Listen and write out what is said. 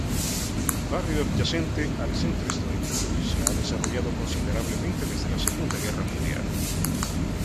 Barrio adyacente al centro histórico, se ha desarrollado considerablemente desde la Segunda Guerra Mundial.